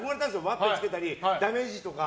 ワッペンつけたりダメージとか。